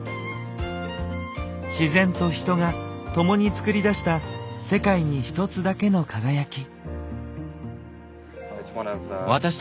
自然とヒトが共に作り出した世界にひとつだけの輝き。